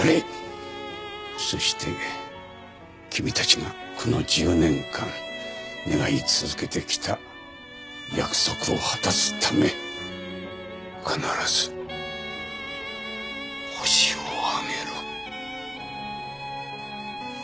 そして君たちがこの１０年間願い続けてきた約束を果たすため必ずホシを挙げろ。